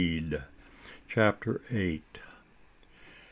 CHAPTER EIGHT.